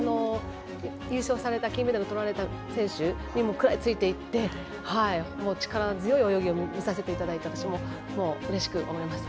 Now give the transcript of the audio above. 優勝された金メダルとられた選手にも食らいついていって力強い泳ぎを見させていただいて私も、うれしく思います。